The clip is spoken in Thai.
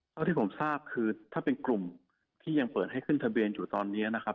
เท่าที่ผมทราบคือถ้าเป็นกลุ่มที่ยังเปิดให้ขึ้นทะเบียนอยู่ตอนนี้นะครับ